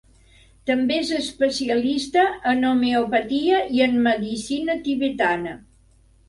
També és especialista en homeopatia i en medicina tibetana.